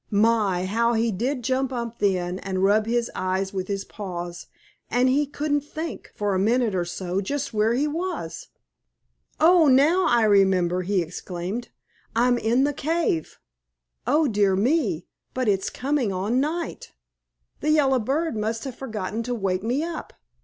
My! how he did jump up then and rub his eyes with his paws, and he couldn't think, for a minute or so, just where he was. "Oh, now I remember!" he exclaimed. "I'm in the cave. Oh, dear me! but it's coming on night. The yellow bird must have forgotten to wake me up.